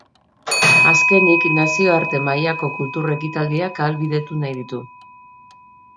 Azkenik, nazioarte mailako kultur ekitaldiak ahalbidetu nahi ditu.